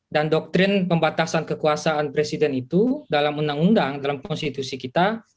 dan doktrin pembatasan kekuasaan presiden itu dalam undang undang dalam konstitusi kita